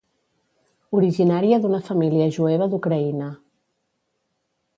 Originària d'una família jueva d'Ucraïna.